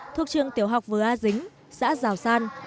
thuộc trường tiểu học vừa a dính xã giào san